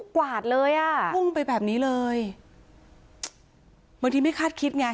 กวาดเลยอ่ะพุ่งไปแบบนี้เลยบางทีไม่คาดคิดไง